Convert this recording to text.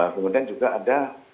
kemudian juga ada